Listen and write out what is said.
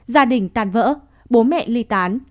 gia đình tàn vỡ bố mẹ ly tán